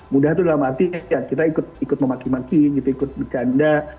mudah itu dalam arti ya kita ikut memaki maki gitu ikut bercanda